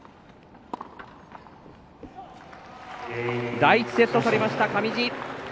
第１セット取りました、上地。